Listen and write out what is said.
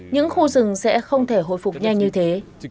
những khu rừng sẽ không thể hồi phục nhanh như thế